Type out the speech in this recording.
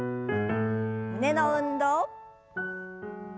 胸の運動。